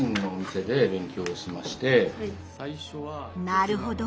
なるほど。